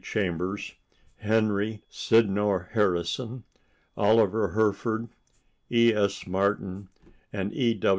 Chambers, Henry Sydnor Harrison, Oliver Herford, E. S. Martin and E.